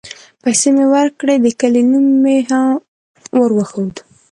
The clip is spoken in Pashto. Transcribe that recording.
پيسې مې وركړې د كلي نوم مې هم وروښود.